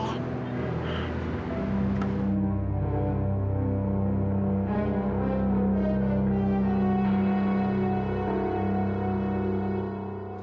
makasih kak fadil